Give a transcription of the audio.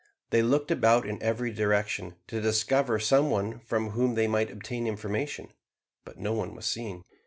They looked about in every direction, to discover some one from whom they might obtain information, but no one was seen.